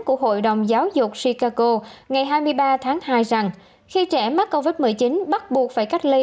của hội đồng giáo dục sicaco ngày hai mươi ba tháng hai rằng khi trẻ mắc covid một mươi chín bắt buộc phải cách ly